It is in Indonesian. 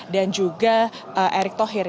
dan juga erick tohya